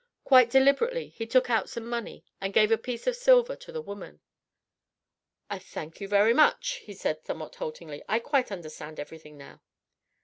Quite deliberately he took out some money and gave a piece of silver to the woman. "I thank you very much," he said somewhat haltingly. "I quite understand everything now."